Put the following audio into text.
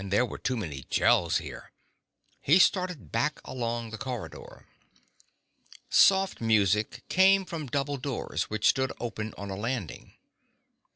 There were too many Gels here. He started back along the corridor. Soft music came from double doors which stood open on a landing.